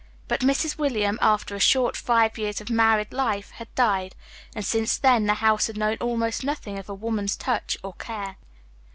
But Mrs. William, after a short five years of married life, had died; and since then, the house had known almost nothing of a woman's touch or care.